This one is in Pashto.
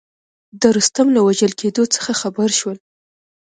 د رستم له وژل کېدلو څخه خبر شول.